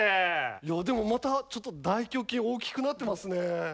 いやでもまたちょっと大胸筋大きくなってますね。